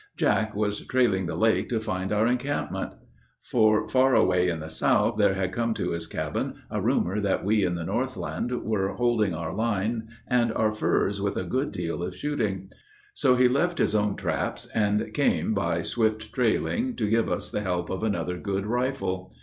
Jack was trailing the lake to find our encampment, For far away in the south there had come to his cabin A rumor that we in the north land were holding Our line and our furs with a good deal of shooting. So he left his own traps and came by swift trailing To give us the help of another good rifle.